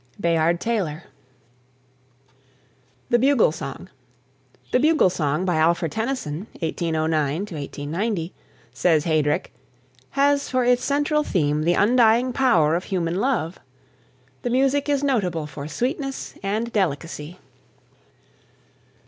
BAYARD TAYLOR. THE BUGLE SONG. "The Bugle Song" (by Alfred Tennyson, 1809 90), says Heydrick, "has for its central theme the undying power of human love. The music is notable for sweetness and delicacy."